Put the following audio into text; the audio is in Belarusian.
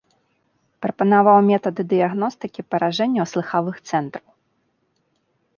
Прапанаваў метады дыягностыкі паражэнняў слыхавых цэнтраў.